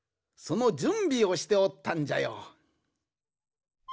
そのじゅんびをしておったんじゃよ。